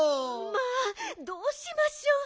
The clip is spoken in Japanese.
まあどうしましょう。